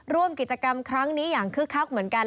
ร่วมกิจกรรมครั้งนี้อย่างคึกคักเหมือนกัน